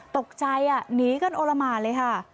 ตกใจหนีกันโอละหมานเลยค่ะ